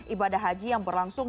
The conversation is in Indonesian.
ibadah haji yang berlangsung